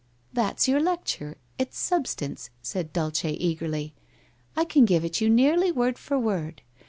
' That's your lecture — its substance,' said Dulce eagerly. * I can give it you nearly word for word.